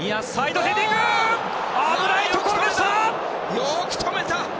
よく止めた！